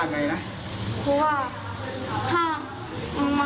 เขาต่อยเลยเลยเขาต่อยหน้าเลยไหม